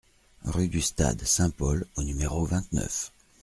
Rue du Stade Saint-Paul au numéro vingt-neuf